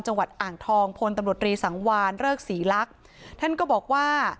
จังหวัดอ่างทองพลตำรวจรีสังวานเริกศรีลักษณ์ท่านก็บอกว่า